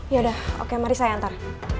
yaudah oke mari saya antar